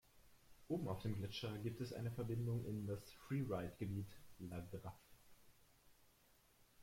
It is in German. Oben auf dem Gletscher gibt es eine Verbindung in das Freeride-Gebiet La Grave.